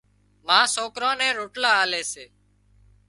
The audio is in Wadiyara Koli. ما سوڪران نين روٽلا آلي سي